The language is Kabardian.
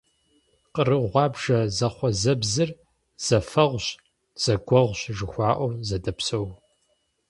Къру гъуабжэ зэхъузэбзыр зэфэгъущ, «зэгуэгъущ» жыхуаӀэуи зэдопсэу.